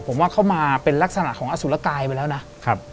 ผมว่าเข้ามาเป็นลักษณะของอสุรกายไปแล้วนะครับ